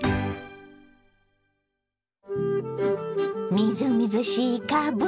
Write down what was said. みずみずしいかぶ。